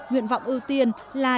nguyện vọng ưu tiên là